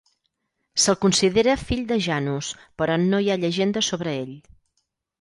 Se'l considera fill de Janus, però no hi ha llegendes sobre ell.